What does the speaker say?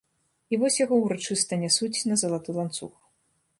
І вось яго ўрачыста нясуць на залаты ланцуг.